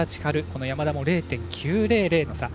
この山田も０．９００の差。